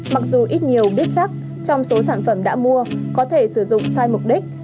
mặc dù ít nhiều biết chắc trong số sản phẩm đã mua có thể sử dụng sai mục đích